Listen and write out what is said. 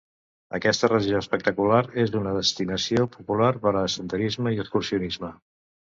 Aquesta regió espectacular és una destinació popular per a senderisme i excursionisme.